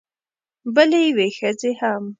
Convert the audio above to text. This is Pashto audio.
بلې یوې ښځې هم